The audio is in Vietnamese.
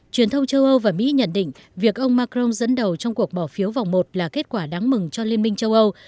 truyền thông châu âu và mỹ nhận định việc ông macron dẫn đầu trong cuộc bỏ phiếu vòng một là kết quả đáng mừng cho liên minh châu âu